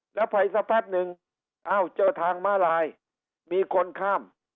แล้วไปสักพักหนึ่งอ้าวเจอทางม้าลายมีคนข้าม